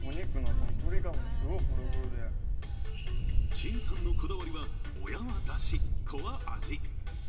陳さんのこだわりは親はだし、子は味。